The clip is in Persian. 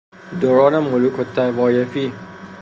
دوران ملوک الطوایفی